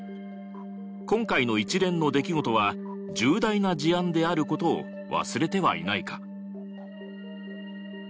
今回の一連のできごとは重大な事案であることを忘れてはいないか？